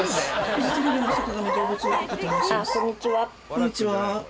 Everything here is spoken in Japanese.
こんにちは。